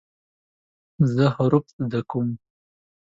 زه حروف زده کوم.